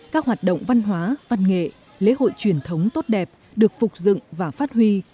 các hoạt động văn hóa văn nghệ lễ hội truyền thống tốt đẹp được phục dựng và phát huy